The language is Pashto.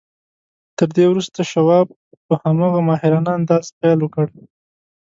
تر دې وروسته شواب په هماغه ماهرانه انداز پیل وکړ